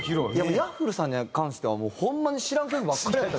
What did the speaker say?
Ｙａｆｆｌｅさんに関してはホンマに知らん曲ばっかり。